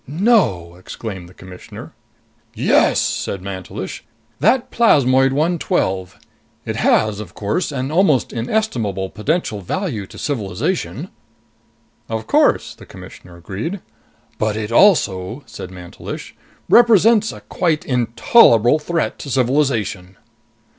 "No!" exclaimed the Commissioner. "Yes," said Mantelish. "That plasmoid 112 it has, of course, an almost inestimable potential value to civilization." "Of course," the Commissioner agreed. "But it also," said Mantelish, "represents a quite intolerable threat to civilization."